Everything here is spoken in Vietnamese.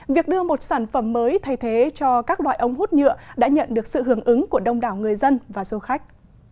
việc đưa một sản phẩm mới thay thế cho các loại ống hút nhựa đã nhận được sự hưởng ứng của đông đảo người dân và du khách